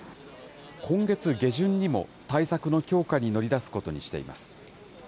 今月下旬にも対策の強化に乗り出すことにしています。